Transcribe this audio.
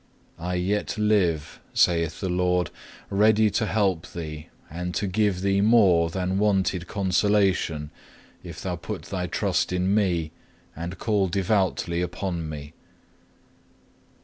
I yet live, saith the Lord, ready to help thee, and to give thee more than wonted consolation if thou put thy trust in Me, and call devoutly upon Me.